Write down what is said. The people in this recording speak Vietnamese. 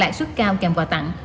lãi suất cao kèm và tặng